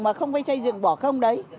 mà không phải xây dựng bỏ không đấy